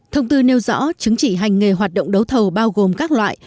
thông tư nêu rõ chứng chỉ hành nghề hoạt động đấu thầu bao gồm các loại